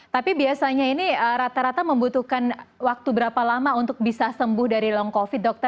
tapi biasanya ini rata rata membutuhkan waktu berapa lama untuk bisa sembuh dari long covid